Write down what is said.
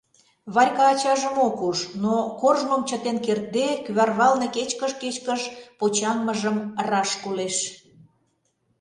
Варька ачажым ок уж, но коржмым чытен кертде, кӱварвалне кечкыж-кечкыж почаҥмыжым раш колеш.